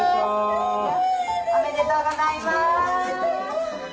おめでとうございます。